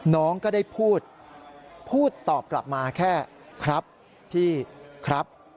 น้องก็ได้พูดพูดตอบกลับมาแค่ครับพี่ครับ